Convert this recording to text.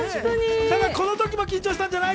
この時も緊張したんじゃない？